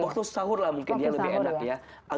waktu sahur lah mungkin dia lebih enak ya